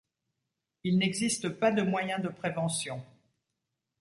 Il n’existe pas de moyens de prévention.